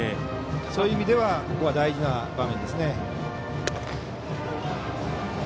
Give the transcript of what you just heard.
そういう意味ではここは大事な場面です。